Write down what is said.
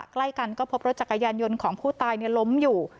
ใกล้กันก็พบรถจักรยานยนต์ของผู้ตายล้มอยู่